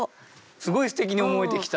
すごいすてきに思えてきた。